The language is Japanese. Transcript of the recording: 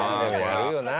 やるよな